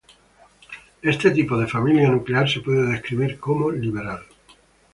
Este tipo de familia nuclear se puede describir como liberal".